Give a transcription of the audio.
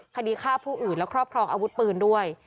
คดีฆ่าผู้อื่นและครอบครองอาวุธปืนด้วย